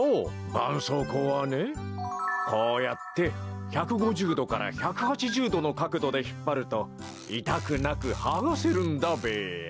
ばんそうこうはねこうやって１５０どから１８０どのかくどでひっぱるといたくなくはがせるんだべや。